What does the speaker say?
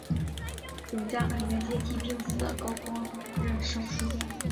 永嘉二年接替病死的高光任尚书令。